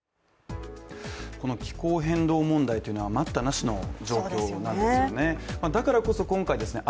この気候変動問題というのは待ったなしの状況なんですよね。